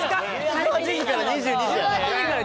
１８時から２２時やろ？